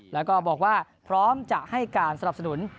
แล้วก็บอกว่าพร้อมจะให้การสนับสนุน